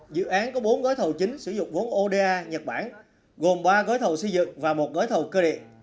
dự án có bốn gói thầu chính sử dụng vốn oda nhật bản gồm ba gói thầu xây dựng và một gói thầu cơ điện